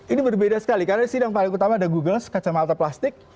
ini berbeda sekali karena di sini yang paling utama ada google kacamata plastik